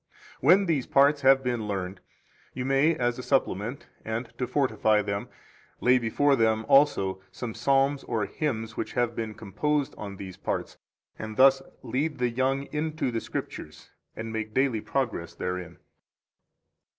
25 When these parts have been well learned, you may, as a supplement and to fortify them, lay before them also some psalms or hymns, which have been composed on these parts, and thus lead the young into the Scriptures, and make daily progress therein.